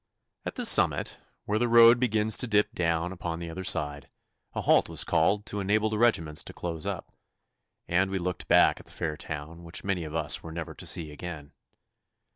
At the summit, where the road begins to dip down upon the other side, a halt was called to enable the regiments to close up, and we looked back at the fair town which many of us were never to see again.